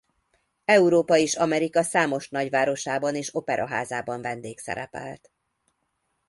Európa és Amerika számos nagyvárosában és operaházában vendégszerepelt.